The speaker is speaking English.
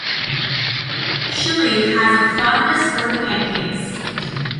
Chilly has a fondness for pancakes.